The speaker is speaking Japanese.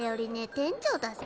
店長だぜ。